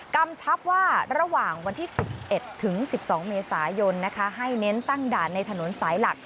กำชับว่าระหว่างวันที่๑๑ถึง๑๒เมษายนให้เน้นตั้งด่านในถนนสายหลัก